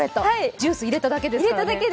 ジュース入れただけですからね。